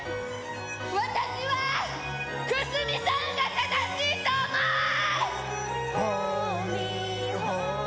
私は久須美さんが正しいと思う。